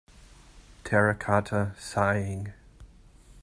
Terracotta Sighing.